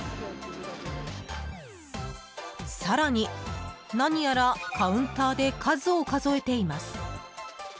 更に、何やらカウンターで数を数えています。